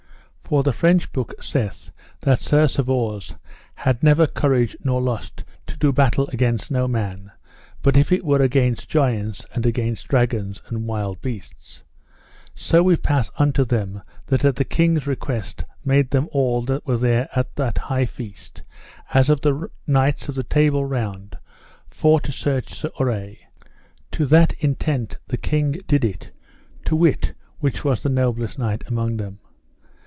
For the French book saith, that Sir Servause had never courage nor lust to do battle against no man, but if it were against giants, and against dragons, and wild beasts. So we pass unto them that at the king's request made them all that were there at that high feast, as of the knights of the Table Round, for to search Sir Urre: to that intent the king did it, to wit which was the noblest knight among them.